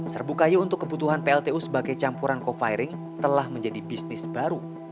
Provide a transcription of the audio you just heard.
serbuk kayu untuk kebutuhan pltu sebagai campuran coviring telah menjadi bisnis baru